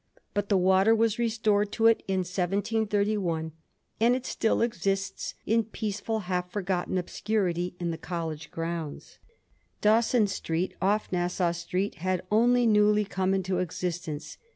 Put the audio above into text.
But the water was restored to it in 1731, and it still exists in peaceful, half forgotten obscurity in the College grounds. Dawson Street, off Nassau Street, had only newly come into existence.